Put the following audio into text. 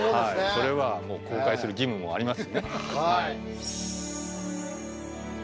それはもう公開する義務もあります。